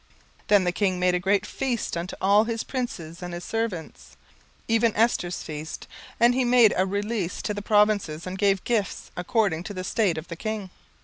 17:002:018 Then the king made a great feast unto all his princes and his servants, even Esther's feast; and he made a release to the provinces, and gave gifts, according to the state of the king.